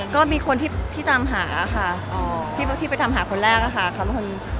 ก็ดีใจอ่ะดีใจที่คนเกลียดนะแต่บางคนบางอาทิตย์